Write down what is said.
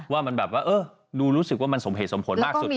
ว่ามันแบบว่าดูรู้สึกว่ามันสมเหตุสมผลมากสุด